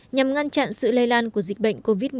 nhằm ngăn chặn sự lây lan của dịch bệnh covid một mươi chín